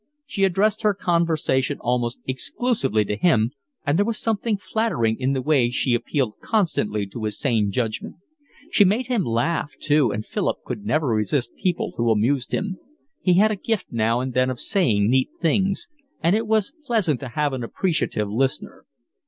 She addressed her conversation almost exclusively to him, and there was something flattering in the way she appealed constantly to his sane judgment. She made him laugh too, and Philip could never resist people who amused him: he had a gift now and then of saying neat things; and it was pleasant to have an appreciative listener.